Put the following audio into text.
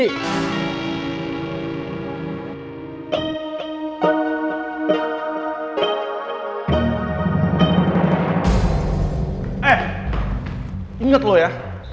eh inget lo ya